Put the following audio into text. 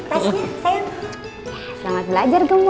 ya selamat belajar gemoy